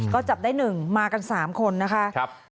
ก็จับได้๑มากัน๓คนนะคะ